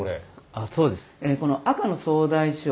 ああそうですね。